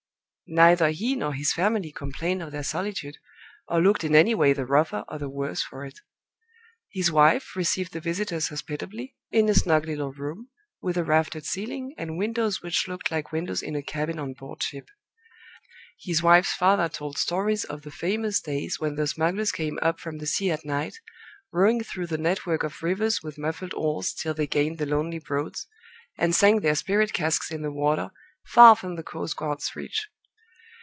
Neither he nor his family complained of their solitude, or looked in any way the rougher or the worse for it. His wife received the visitors hospitably, in a snug little room, with a raftered ceiling, and windows which looked like windows in a cabin on board ship. His wife's father told stories of the famous days when the smugglers came up from the sea at night, rowing through the net work of rivers with muffled oars till they gained the lonely Broads, and sank their spirit casks in the water, far from the coast guard's reach.